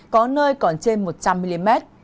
có nơi còn trên một trăm linh mm